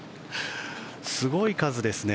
すごい数ですね。